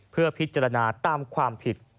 เพื่อพิจารณาตามความผิด